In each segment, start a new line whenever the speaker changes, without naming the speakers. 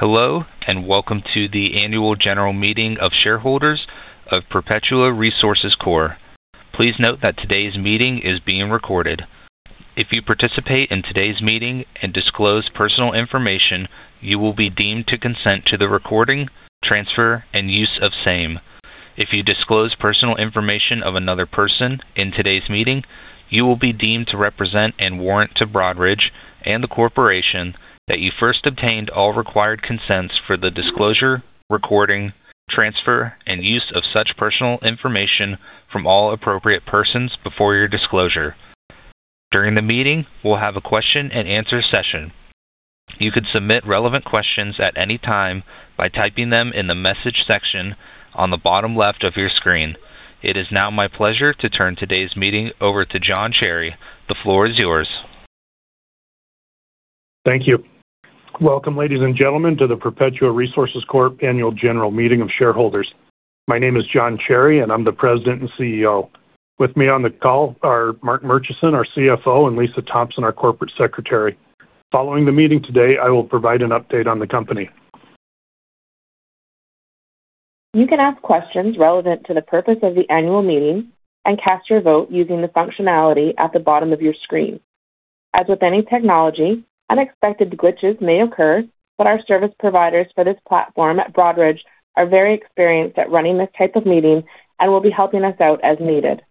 Hello, and welcome to the annual general meeting of shareholders of Perpetua Resources Corp. Please note that today's meeting is being recorded. If you participate in today's meeting and disclose personal information, you will be deemed to consent to the recording, transfer, and use of same. If you disclose personal information of another person in today's meeting, you will be deemed to represent and warrant to Broadridge and the corporation that you first obtained all required consents for the disclosure, recording, transfer, and use of such personal information from all appropriate persons before your disclosure. During the meeting, we'll have a question-and-answer session. You can submit relevant questions at any time by typing them in the message section on the bottom left of your screen. It is now my pleasure to turn today's meeting over to Jon Cherry. The floor is yours.
Thank you. Welcome, ladies and gentlemen, to the Perpetua Resources Corp annual general meeting of shareholders. My name is Jon Cherry, and I'm the President and Chief Executive Officer. With me on the call are Mark Murchison, our Chief Financial Officer, and Lisa Thompson, our Corporate Secretary. Following the meeting today, I will provide an update on the company.
You can ask questions relevant to the purpose of the annual meeting and cast your vote using the functionality at the bottom of your screen. As with any technology, unexpected glitches may occur, but our service providers for this platform at Broadridge are very experienced at running this type of meeting and will be helping us out as needed.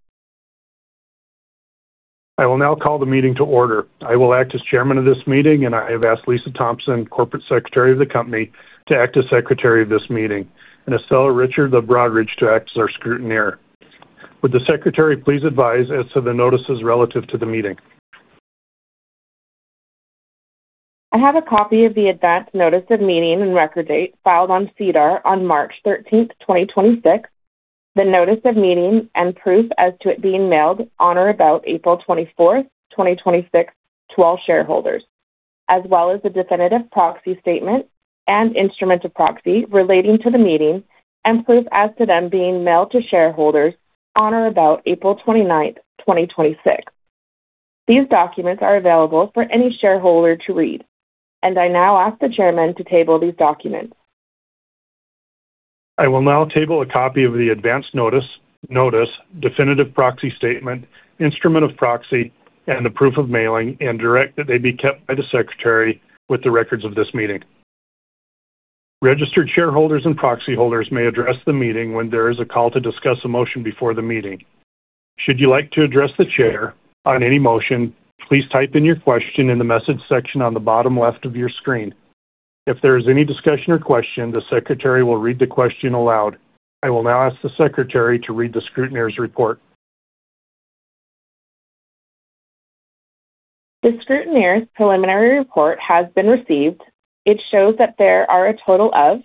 I will now call the meeting to order. I will act as chairman of this meeting, and I have asked Lisa Thompson, Corporate Secretary of the company, to act as secretary of this meeting, and Estella Richard of Broadridge to act as our scrutineer. Would the secretary please advise as to the notices relative to the meeting?
I have a copy of the advance notice of meeting and record date filed on SEDAR on March 13, 2026, the notice of meeting and proof as to it being mailed on or about April 24, 2026 to all shareholders, as well as the definitive proxy statement and instrument of proxy relating to the meeting and proof as to them being mailed to shareholders on or about April 29, 2026. These documents are available for any shareholder to read, and I now ask the chairman to table these documents.
I will now table a copy of the Advance Notice, notice, definitive proxy statement, instrument of proxy, and the proof of mailing, and direct that they be kept by the secretary with the records of this meeting. Registered shareholders and proxy holders may address the meeting when there is a call to discuss a motion before the meeting. Should you like to address the chair on any motion, please type in your question in the message section on the bottom left of your screen. If there is any discussion or question, the secretary will read the question aloud. I will now ask the secretary to read the scrutineer's report.
The scrutineer's preliminary report has been received. It shows that there are a total of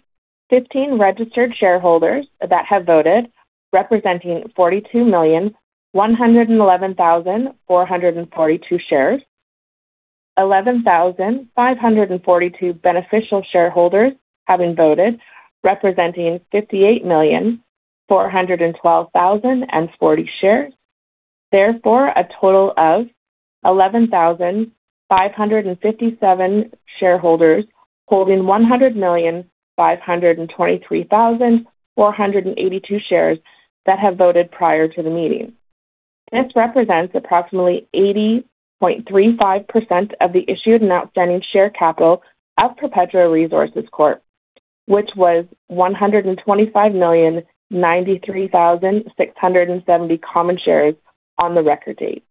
15 registered shareholders that have voted, representing 42,111,442 shares. 11,542 beneficial shareholders have been voted, representing 58,412,040 shares. Therefore, a total of 11,557 shareholders holding 100,523,482 shares that have voted prior to the meeting. This represents approximately 80.35% of the issued and outstanding share capital of Perpetua Resources Corp, which was 125,093,670 common shares on the record date.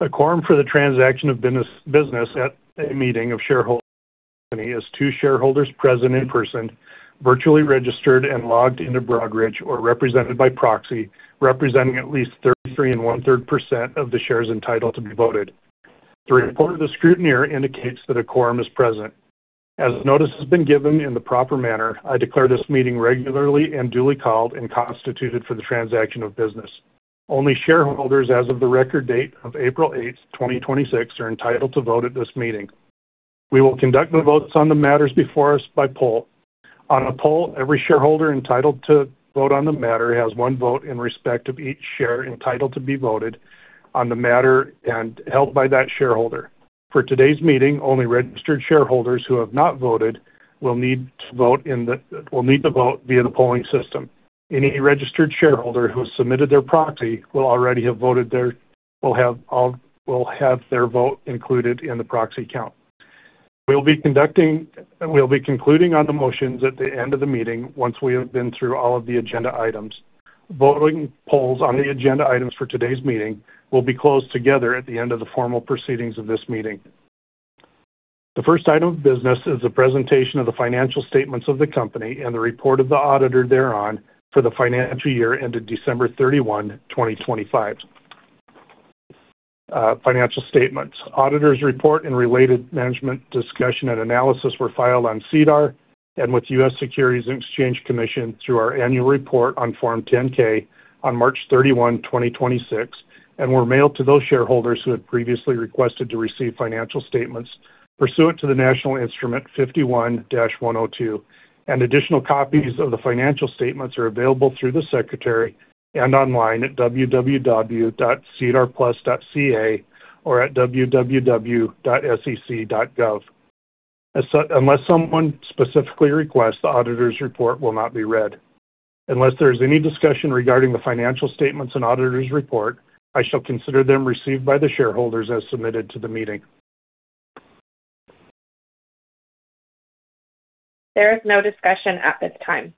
A quorum for the transaction of business at a meeting of shareholders is two shareholders present in person, virtually registered and logged into Broadridge, or represented by proxy, representing at least 33 and 1/3% of the shares entitled to be voted. The report of the scrutineer indicates that a quorum is present. As notice has been given in the proper manner, I declare this meeting regularly and duly called and constituted for the transaction of business. Only shareholders as of the record date of April 8th, 2026 are entitled to vote at this meeting. We will conduct the votes on the matters before us by poll. On a poll, every shareholder entitled to vote on the matter has one vote in respect of each share entitled to be voted on the matter and held by that shareholder. For today's meeting, only registered shareholders who have not voted will need to vote via the polling system. Any registered shareholder who has submitted their proxy will already have voted will have their vote included in the proxy count. We'll be concluding on the motions at the end of the meeting once we have been through all of the agenda items. Voting polls on the agenda items for today's meeting will be closed together at the end of the formal proceedings of this meeting. The first item of business is a presentation of the financial statements of the company and the report of the auditor thereon for the financial year ended December 31, 2025. Financial statements, auditor's report, and related management discussion and analysis were filed on SEDAR and with U.S. Securities and Exchange Commission through our annual report on Form 10-K on March 31, 2026 and were mailed to those shareholders who had previously requested to receive financial statements pursuant to the National Instrument 51-102. Additional copies of the financial statements are available through the secretary and online at www.sedarplus.ca or at www.sec.gov. Unless someone specifically requests, the auditor's report will not be read. Unless there is any discussion regarding the financial statements and auditor's report, I shall consider them received by the shareholders as submitted to the meeting.
There is no discussion at this time.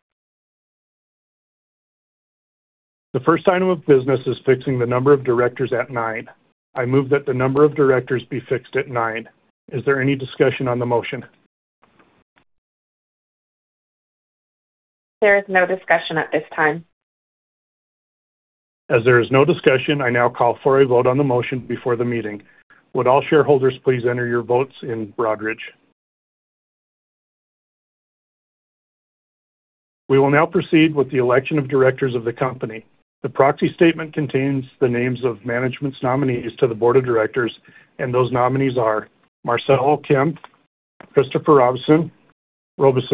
The first item of business is fixing the number of directors at nine. I move that the number of directors be fixed at nine. Is there any discussion on the motion?
There is no discussion at this time.
As there is no discussion, I now call for a vote on the motion before the meeting. Would all shareholders please enter your votes in Broadridge. We will now proceed with the election of directors of the company. The proxy statement contains the names of management's nominees to the Board of Directors, and those nominees are Marcelo Kim, Chris Robison, Alex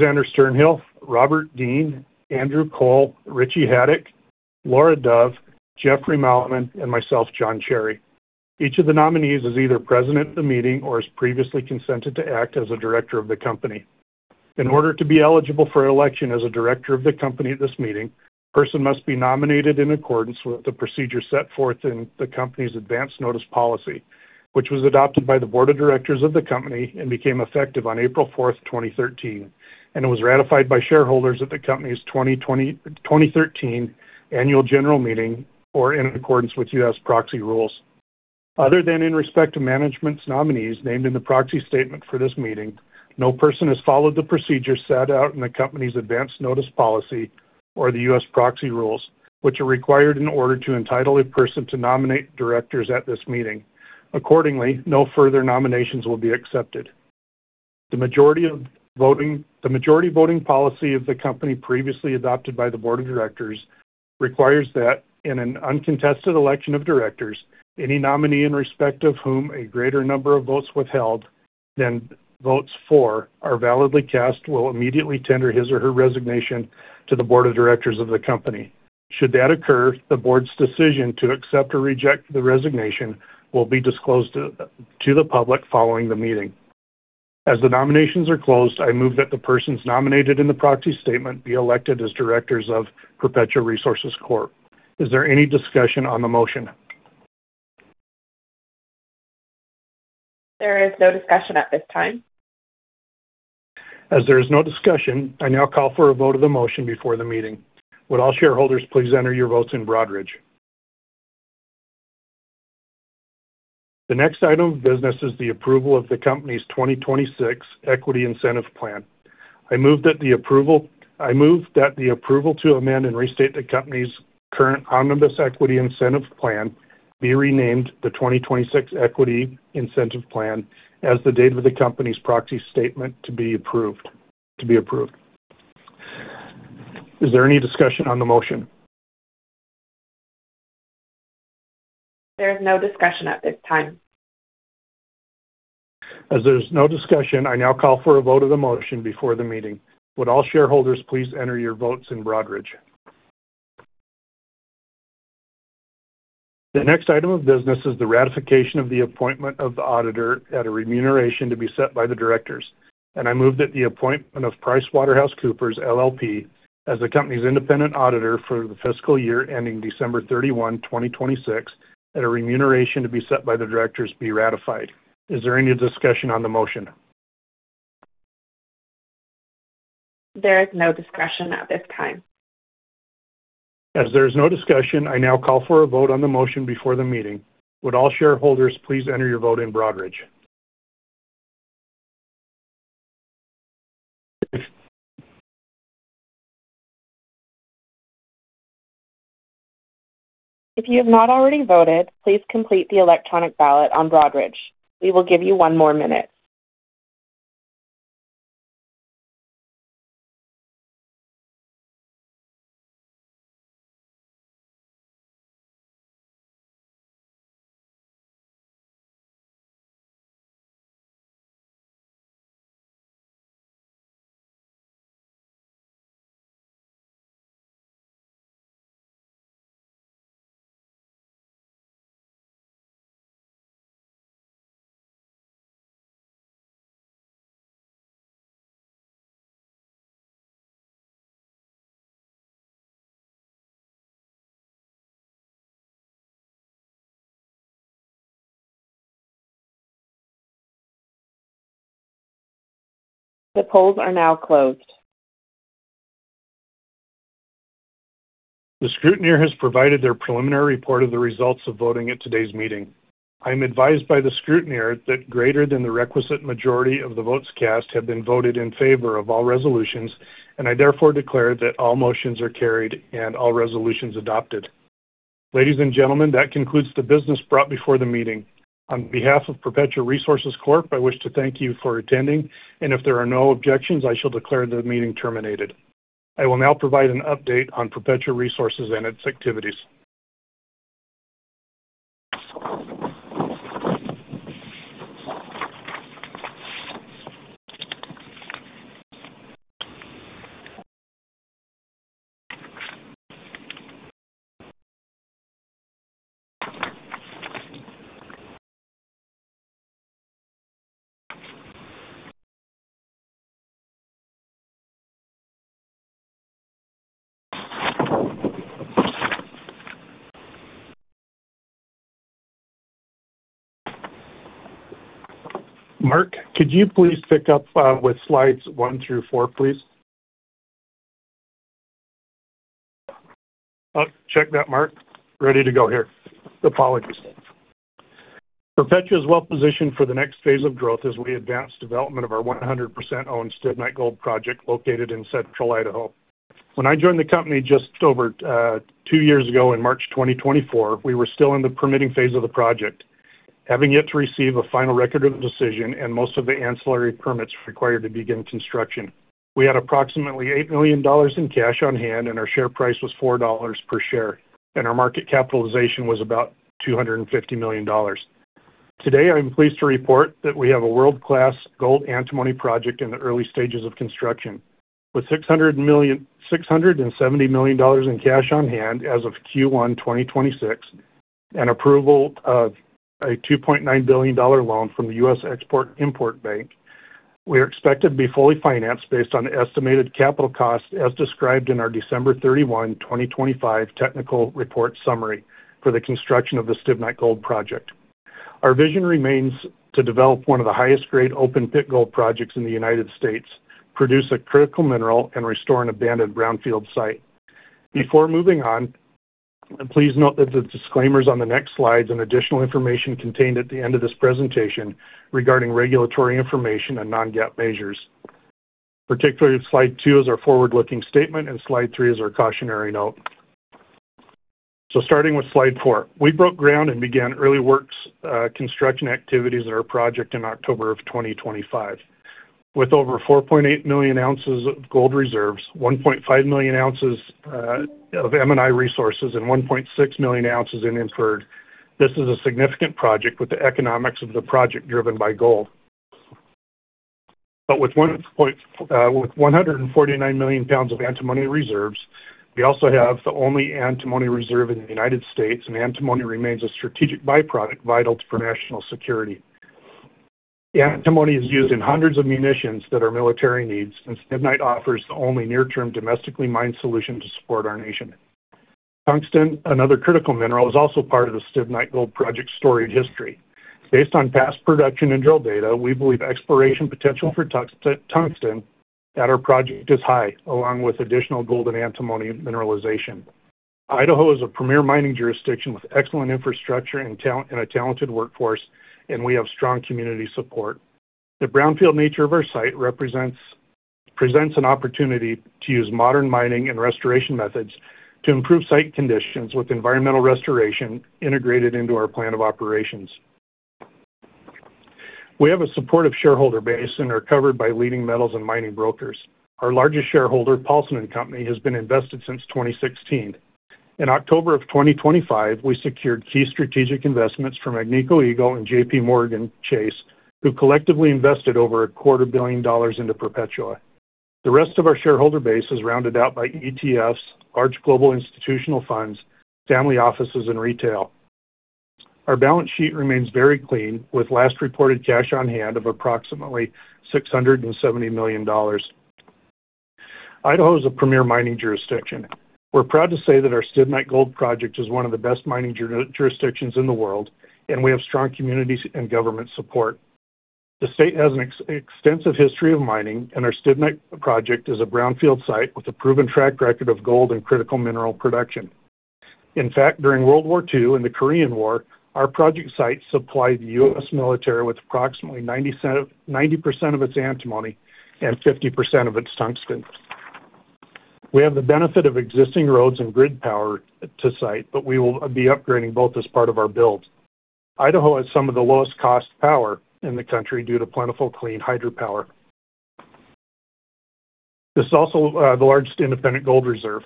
Sternhell, Bob Dean, Andrew Cole, Rich Haddock, Laura Dove, Jeffrey Malmen, and myself, Jon Cherry. Each of the nominees is either present at the meeting or has previously consented to act as a director of the company. In order to be eligible for election as a director of the company at this meeting, a person must be nominated in accordance with the procedure set forth in the company's Advance Notice Policy, which was adopted by the Board of Directors of the company and became effective on April 4th, 2013. It was ratified by shareholders at the company's 2013 annual general meeting, or in accordance with U.S. proxy rules. Other than in respect to management's nominees named in the proxy statement for this meeting, no person has followed the procedures set out in the company's Advance Notice Policy or the U.S. proxy rules, which are required in order to entitle a person to nominate directors at this meeting. Accordingly, no further nominations will be accepted. The Majority Voting Policy of the company previously adopted by the Board of Directors requires that in an uncontested election of directors, any nominee in respect of whom a greater number of votes withheld than votes for are validly cast will immediately tender his or her resignation to the Board of Directors of the company. Should that occur, the board's decision to accept or reject the resignation will be disclosed to the public following the meeting. As the nominations are closed, I move that the persons nominated in the proxy statement be elected as directors of Perpetua Resources Corp. Is there any discussion on the motion?
There is no discussion at this time.
As there is no discussion, I now call for a vote of the motion before the meeting. Would all shareholders please enter your votes in Broadridge. The next item of business is the approval of the company's 2026 equity incentive plan. I move that the approval to amend and restate the company's current omnibus equity incentive plan be renamed the 2026 equity incentive plan as the date of the company's proxy statement to be approved. Is there any discussion on the motion?
There is no discussion at this time.
As there is no discussion, I now call for a vote of the motion before the meeting. Would all shareholders please enter your votes in Broadridge. The next item of business is the ratification of the appointment of the auditor at a remuneration to be set by the directors, and I move that the appointment of PricewaterhouseCoopers LLP as the company's independent auditor for the fiscal year ending December 31, 2026, at a remuneration to be set by the directors, be ratified. Is there any discussion on the motion?
There is no discussion at this time.
As there is no discussion, I now call for a vote on the motion before the meeting. Would all shareholders please enter your vote in Broadridge.
If you have not already voted, please complete the electronic ballot on Broadridge. We will give you one more minute. The polls are now closed.
The scrutineer has provided their preliminary report of the results of voting at today's meeting. I am advised by the scrutineer that greater than the requisite majority of the votes cast have been voted in favor of all resolutions, and I therefore declare that all motions are carried and all resolutions adopted. Ladies and gentlemen, that concludes the business brought before the meeting. On behalf of Perpetua Resources Corp., I wish to thank you for attending, and if there are no objections, I shall declare the meeting terminated. I will now provide an update on Perpetua Resources and its activities. Mark, could you please pick up with slides one through four, please? Check that, Mark. Ready to go here. Apologies. Perpetua's well-positioned for the next phase of growth as we advance development of our 100% owned Stibnite Gold Project located in central Idaho. When I joined the company just over two years ago in March 2024, we were still in the permitting phase of the project, having yet to receive a final record of decision and most of the ancillary permits required to begin construction. We had approximately $8 million in cash on hand, and our share price was $4 per share, and our market capitalization was about $250 million. Today, I'm pleased to report that we have a world-class gold antimony project in the early stages of construction. With $670 million in cash on hand as of Q1 2026, an approval of a $2.9 billion loan from the U.S. Export-Import Bank, we are expected to be fully financed based on estimated capital costs as described in our December 31, 2025 technical report summary for the construction of the Stibnite Gold Project. Our vision remains to develop one of the highest grade open-pit gold projects in the United States, produce a critical mineral, and restore an abandoned brownfield site. Before moving on, please note that the disclaimers on the next slides and additional information contained at the end of this presentation regarding regulatory information and non-GAAP measures. Particularly slide two is our forward-looking statement and slide three is our cautionary note. Starting with slide four. We broke ground and began early works construction activities at our project in October of 2025. With over 4.8 million ounces of gold reserves, 1.5 million ounces of M&I resources, and 1.6 million ounces in inferred, this is a significant project with the economics of the project driven by gold. With 149 million pounds of antimony reserves, we also have the only antimony reserve in the United States, and antimony remains a strategic byproduct vital to our national security. Antimony is used in hundreds of munitions that our military needs and Stibnite offers the only near-term domestically mined solution to support our nation. Tungsten, another critical mineral, is also part of the Stibnite Gold Project storied history. Based on past production and drill data, we believe exploration potential for tungsten at our project is high, along with additional gold and antimony mineralization. Idaho is a premier mining jurisdiction with excellent infrastructure and a talented workforce, and we have strong community support. The brownfield nature of our site presents an opportunity to use modern mining and restoration methods to improve site conditions with environmental restoration integrated into our plan of operations. We have a supportive shareholder base and are covered by leading metals and mining brokers. Our largest shareholder, Paulson & Co, has been invested since 2016. In October of 2025, we secured key strategic investments from Agnico Eagle and JPMorgan Chase, who collectively invested over a quarter billion dollars into Perpetua. The rest of our shareholder base is rounded out by ETFs, large global institutional funds, family offices, and retail. Our balance sheet remains very clean, with last reported cash on hand of approximately $670 million. Idaho is a premier mining jurisdiction. We're proud to say that our Stibnite Gold Project is one of the best mining jurisdictions in the world, and we have strong communities and government support. The state has an extensive history of mining, and our Stibnite project is a brownfield site with a proven track record of gold and critical mineral production. In fact, during World War II and the Korean War, our project site supplied the U.S. military with approximately 90% of its antimony and 50% of its tungsten. We have the benefit of existing roads and grid power to site, but we will be upgrading both as part of our build. Idaho has some of the lowest cost power in the country due to plentiful clean hydropower. This is also the largest independent gold reserve.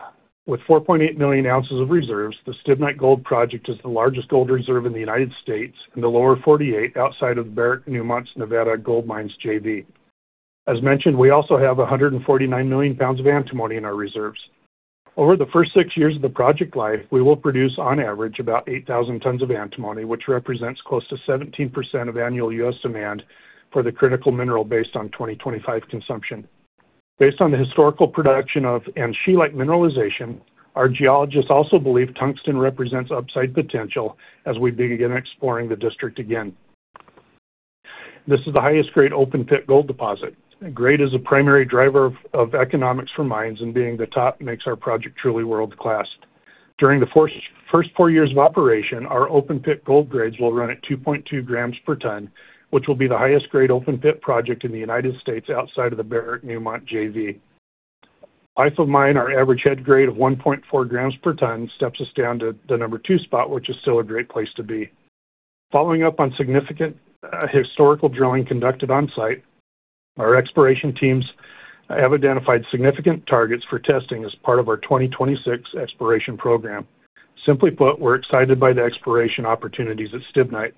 With 4.8 million ounces of reserves, the Stibnite Gold Project is the largest gold reserve in the United States in the lower 48 outside of the Barrick Newmont Nevada Gold Mines JV. As mentioned, we also have 149 million pounds of antimony in our reserves. Over the first six years of the project life, we will produce on average about 8,000 tons of antimony, which represents close to 17% of annual U.S. demand for the critical mineral based on 2025 consumption. Based on the historical production of and scheelite mineralization, our geologists also believe tungsten represents upside potential as we begin exploring the district again. This is the highest grade open-pit gold deposit. Grade is a primary driver of economics for mines and being the top makes our project truly world-class. During the first four years of operation, our open-pit gold grades will run at 2.2 grams per ton, which will be the highest grade open pit project in the U.S. outside of the Barrick Newmont JV. Life of mine, our average head grade of 1.4 grams per ton steps us down to the number 2 spot, which is still a great place to be. Following up on significant historical drilling conducted on-site, our exploration teams have identified significant targets for testing as part of our 2026 exploration program. Simply put, we're excited by the exploration opportunities at Stibnite.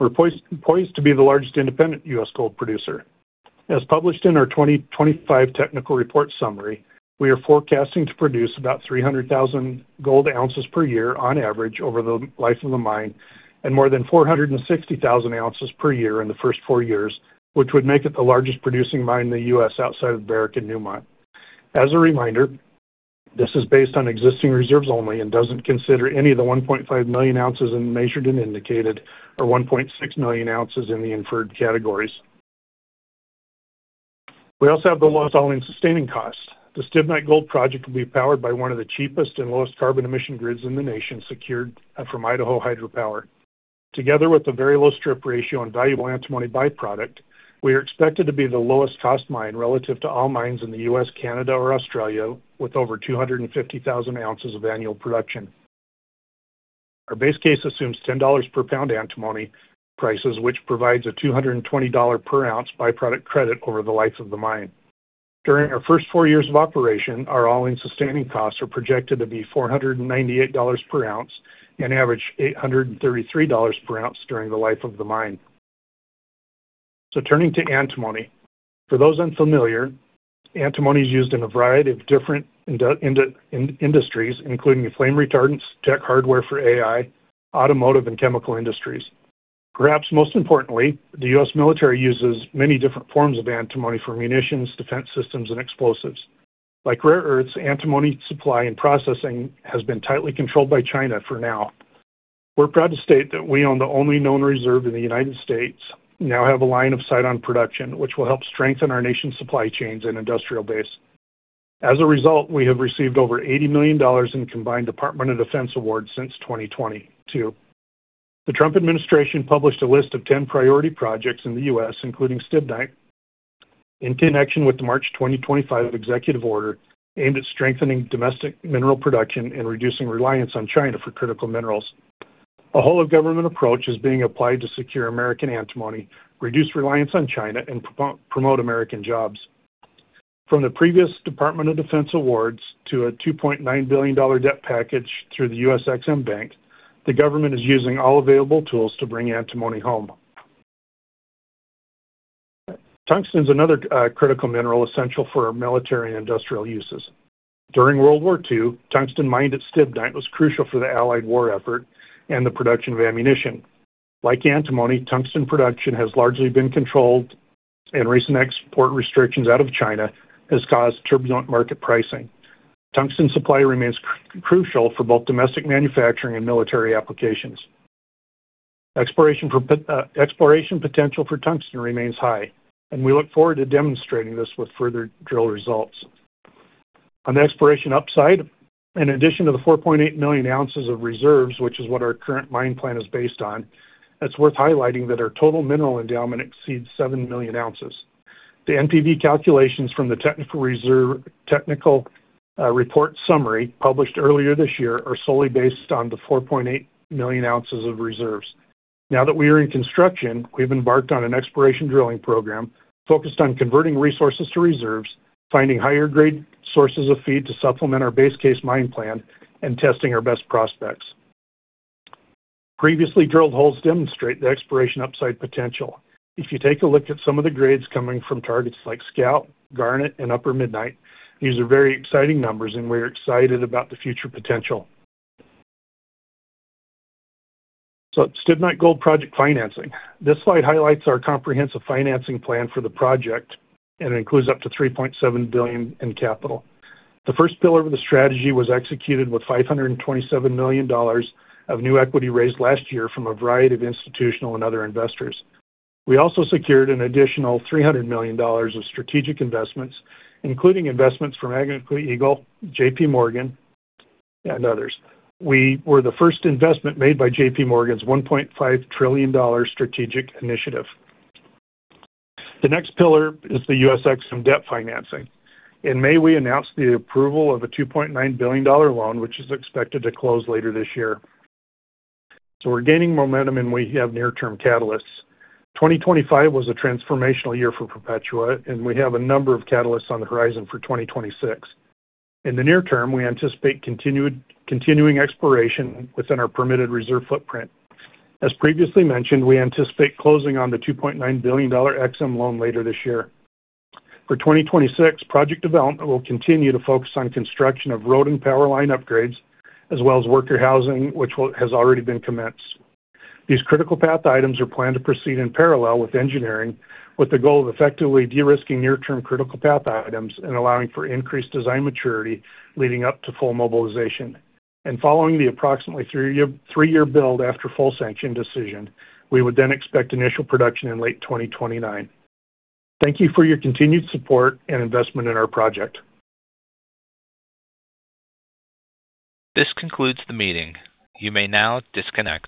We're poised to be the largest independent U.S. gold producer. As published in our 2025 technical report summary, we are forecasting to produce about 300,000 gold ounces per year on average over the life of the mine, and more than 460,000 ounces per year in the first four years, which would make it the largest producing mine in the U.S. outside of Barrick and Newmont. As a reminder, this is based on existing reserves only and doesn't consider any of the 1.5 million ounces in measured and indicated, or 1.6 million ounces in the inferred categories. We also have the lowest all-in sustaining costs. The Stibnite Gold Project will be powered by one of the cheapest and lowest carbon emission grids in the nation, secured from Idaho Power. Together with the very low strip ratio and valuable antimony by-product, we are expected to be the lowest cost mine relative to all mines in the U.S., Canada, or Australia, with over 250,000 ounces of annual production. Our base case assumes $10 per pound antimony prices, which provides a $220 per ounce by-product credit over the life of the mine. During our first four years of operation, our all-in sustaining costs are projected to be $498 per ounce and average $833 per ounce during the life of the mine. Turning to antimony. For those unfamiliar, antimony is used in a variety of different industries, including the flame retardants, tech hardware for AI, automotive, and chemical industries. Perhaps most importantly, the U.S. military uses many different forms of antimony for munitions, defense systems, and explosives. Like rare earths, antimony supply and processing has been tightly controlled by China for now. We're proud to state that we own the only known reserve in the United States, now have a line of sight on production, which will help strengthen our nation's supply chains and industrial base. As a result, we have received over $80 million in combined Department of Defense awards since 2022. The Trump administration published a list of 10 priority projects in the U.S., including Stibnite, in connection with the March 2025 executive order aimed at strengthening domestic mineral production and reducing reliance on China for critical minerals. A whole of government approach is being applied to secure American antimony, reduce reliance on China, and promote American jobs. From the previous Department of Defense awards to a $2.9 billion debt package through the U.S. EXIM Bank, the government is using all available tools to bring antimony home. Tungsten is another critical mineral essential for military and industrial uses. During World War II, tungsten mined at Stibnite was crucial for the Allied war effort and the production of ammunition. Like antimony, tungsten production has largely been controlled, and recent export restrictions out of China has caused turbulent market pricing. Tungsten supply remains crucial for both domestic manufacturing and military applications. Exploration potential for tungsten remains high, and we look forward to demonstrating this with further drill results. On the exploration upside, in addition to the 4.8 million ounces of reserves, which is what our current mine plan is based on, it's worth highlighting that our total mineral endowment exceeds 7 million ounces. The NPV calculations from the technical report summary published earlier this year are solely based on the 4.8 million ounces of reserves. Now that we are in construction, we've embarked on an exploration drilling program focused on converting resources to reserves, finding higher grade sources of feed to supplement our base case mine plan, and testing our best prospects. Previously drilled holes demonstrate the exploration upside potential. If you take a look at some of the grades coming from targets like Scout, Garnet, and Upper Midnight, these are very exciting numbers, and we are excited about the future potential. Stibnite Gold Project financing. This slide highlights our comprehensive financing plan for the project, it includes up to $3.7 billion in capital. The first pillar of the strategy was executed with $527 million of new equity raised last year from a variety of institutional and other investors. We also secured an additional $300 million of strategic investments, including investments from Agnico Eagle, JP Morgan, and others. We were the first investment made by JPMorgan's $1.5 trillion strategic initiative. The next pillar is the U.S. EXIM debt financing. In May, we announced the approval of a $2.9 billion loan, which is expected to close later this year. We're gaining momentum and we have near term catalysts. 2025 was a transformational year for Perpetua, we have a number of catalysts on the horizon for 2026. In the near term, we anticipate continuing exploration within our permitted reserve footprint. As previously mentioned, we anticipate closing on the $2.9 billion EXIM loan later this year. For 2026, project development will continue to focus on construction of road and power line upgrades, as well as worker housing, which has already been commenced. These critical path items are planned to proceed in parallel with engineering, with the goal of effectively de-risking near term critical path items and allowing for increased design maturity leading up to full mobilization. Following the approximately three-year build after full sanction decision, we would then expect initial production in late 2029. Thank you for your continued support and investment in our project.
This concludes the meeting. You may now disconnect.